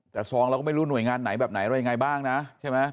แต่ซองเราก็ไม่รู้หน่วยงานไหนแบบไหนอะไรยังไงบ้างนะใช่ไหม